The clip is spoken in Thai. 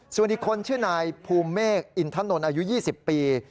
ส่วนอีกคนชื่อนายภูมิเมฆอินทนนท์อายุ๒๐ปี